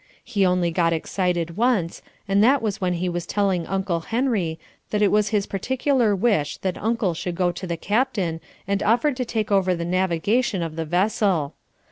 He only got excited once, and that was when he was telling Uncle Henry that it was his particular wish that Uncle should go to the captain and offer to take over the navigation of the vessel.